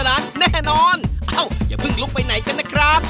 อ้าวอย่าเพิ่งลุกไปไหนกันนะครับ